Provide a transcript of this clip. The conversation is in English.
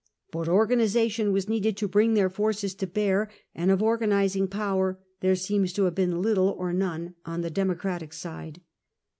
But organisa tion was needed to bring their forces to bear, and of organising power there seems to have been little or none on the Democratic side.